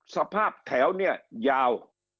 สภาพแถวเนี่ยยาว